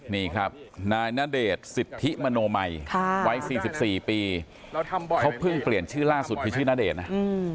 นี่ครับณเดชสิจทิบิโมมัยวัย๔๔ปีเขาเพิ่งเปลี่ยนชื่อย่างล่างสุดที่ชื่อนัดเดชนะ